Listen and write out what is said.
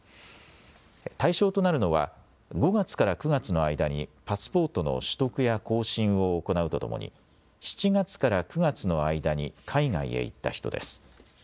対象となるのは５月から９月の間にパスポートの取得や更新を行うとともに７月から９月の間に海外へ行った人です。